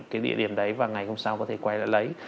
cái địa điểm đấy và ngày hôm sau có thể quay lại lấy